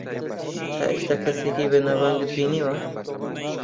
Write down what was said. تا ئێستا کەسێکی بەناوبانگت بینیوە؟